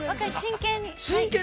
◆真剣に。